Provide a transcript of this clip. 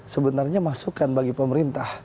sebenarnya masukan bagi pemerintah